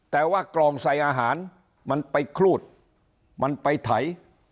แต่ว่ากล่องใส่อาหารมันไปครูดมันไปไถ